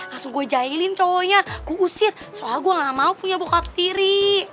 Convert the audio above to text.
langsung gue jahilin cowoknya gue usit soalnya gue gak mau punya bokap tiri